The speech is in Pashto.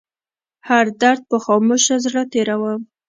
هر درد په خاموشه زړه تيروم